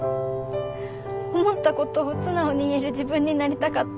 思ったことを素直に言える自分になりたかった。